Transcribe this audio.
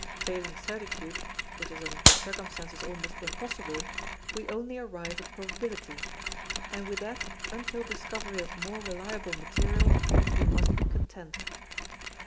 Failing certitude, which is under the circumstances almost impossible, we only arrive at probability; and with that until discovery of more reliable material we must be content.